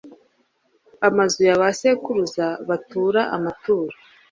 b amazu ya ba sekuru batura amaturo